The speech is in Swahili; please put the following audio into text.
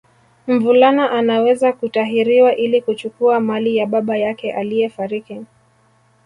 Mvulana Anaweza kutahiriwa ili kuchukua mali ya baba yake aliyefariki